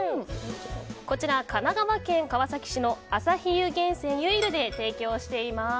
こちら、神奈川県川崎市の朝日湯源泉ゆいるで提供しています。